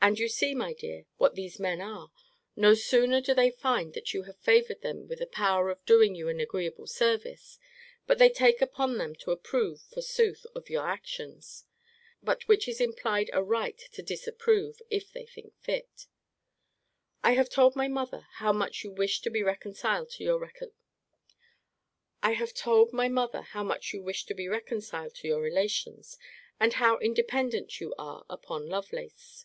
And you see, my dear, what these men are no sooner do they find that you have favoured them with the power of doing you an agreeable service, but they take upon them to approve, forsooth, of your actions! By which is implied a right to disapprove, if they think fit. I have told my mother how much you wish to be reconciled to your relations, and how independent you are upon Lovelace.